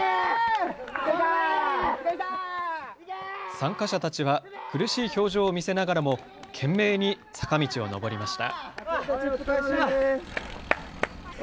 参加者たちは苦しい表情を見せながらも懸命に坂道を上りました。